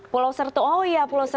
pulau sertung oh iya pulau sertung